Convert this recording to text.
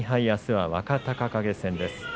あすは若隆景戦です。